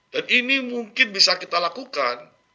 dan ini mungkin bisa kita lakukan